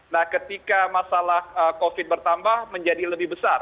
nah ketika masalah covid bertambah menjadi lebih besar